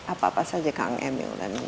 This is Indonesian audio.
apa apa saja kang emil